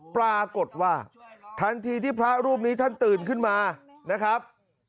ปรากฏว่าทันทีที่พระรูปนี้ท่านตื่นขึ้นมานะครับ